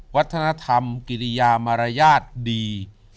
วัฒนธรรมกิริยามารยาทดี